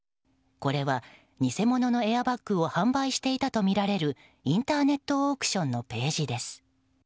これは、偽物のエアバッグを販売していたとみられるインターネットオークションのページです。